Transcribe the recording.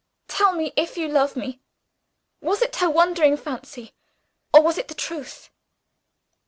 Tell me, if you love me, was it her wandering fancy? or was it the truth?"